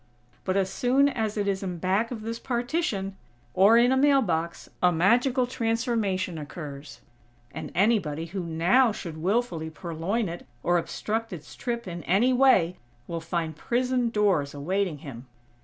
But as soon as it is in back of this partition, or in a mail box, a magical transformation occurs; and anybody who now should willfully purloin it, or obstruct its trip in any way, will find prison doors awaiting him.